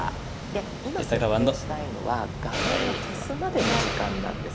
今設定したいのは画面を消すまでの時間なんです。